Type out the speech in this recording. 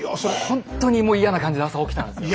ほんとにもう嫌な感じで朝起きたんですよ。